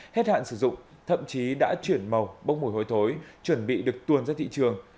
hết hạn sử dụng thậm chí đã chuyển màu bốc mùi hôi thối chuẩn bị được tuồn ra thị trường